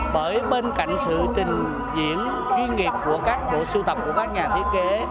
bởi bên cạnh sự trình diễn ghi nghiệp của các bộ sưu tập của các nhà thiết kế